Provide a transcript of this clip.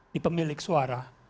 di pemilik suara